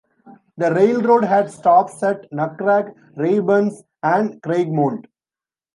The railroad had stops at Nucrag, Reubens, and Craigmont.